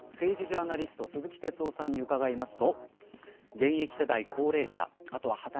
政治ジャーナリストの鈴木哲夫さんに伺いました。